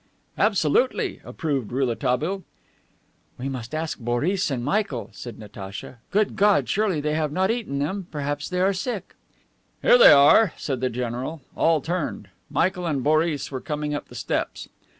"Absolutely," approved Rouletabille. "We must ask Boris and Michael," said Natacha. "Good God! surely they have not eaten them! Perhaps they are sick." "Here they are," said the general. All turned. Michael and Boris were coming up the steps.